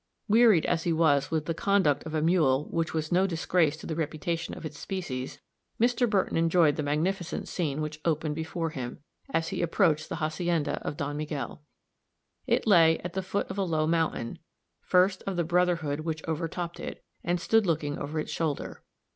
Wearied as he was with the conduct of a mule which was no disgrace to the reputation of its species, Mr. Burton enjoyed the magnificent scene which opened before him, as he approached the hacienda of Don Miguel. It lay at the foot of a low mountain, first of the brotherhood which overtopped it, and stood looking over its shoulder.